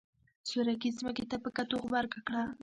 سورکي ځمکې ته په کتو غبرګه کړه.